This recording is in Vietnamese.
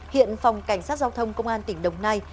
hiện phòng cảnh sát giao thông công an tỉnh đồng nai